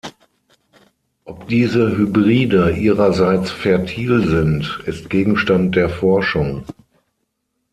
Ob diese Hybride ihrerseits fertil sind, ist Gegenstand der Forschung.